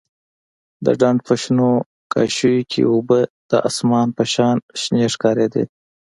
د ډنډ په شنو کاشيو کښې اوبه د اسمان په شان شنې ښکارېدې.